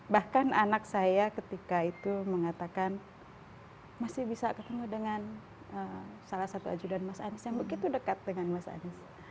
bahkan anak saya ketika itu mengatakan masih bisa ketemu dengan salah satu ajudan mas anies yang begitu dekat dengan mas anies